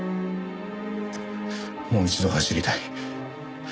もう一度走りたい。